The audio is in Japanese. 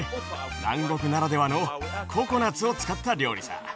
南国ならではのココナツを使った料理さ。